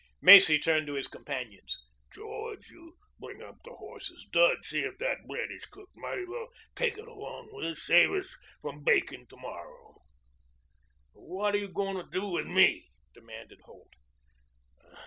Macy turned to his companions. "George, you bring up the horses. Dud, see if that bread is cooked. Might as well take it along with us save us from baking to morrow." "What are you going to do with me?" demanded Holt.